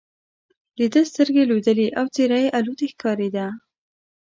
د ده سترګې لوېدلې او څېره یې الوتې ښکارېده.